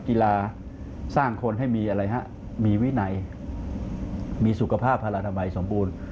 กีฬาสร้างคนให้มีอะไรฮะมีวินัยมีสุขภาพภาระนามัยสมบูรณ์